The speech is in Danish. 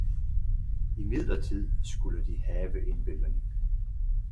Imidlertid skulle de have en belønning.